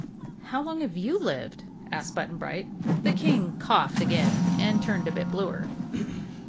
"How long have you lived?" asked Button Bright. The King coughed again and turned a bit bluer.